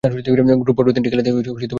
Group পর্বের তিনটি খেলাতেই তিনি মাঠে নামেন।